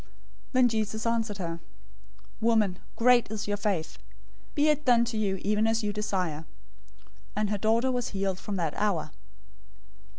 015:028 Then Jesus answered her, "Woman, great is your faith! Be it done to you even as you desire." And her daughter was healed from that hour.